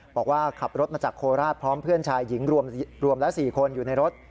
บอกว่าขับรถมาจากโคราชพร้อมเพื่อนชายหญิงรวมแล้ว๔คนอยู่ในรถ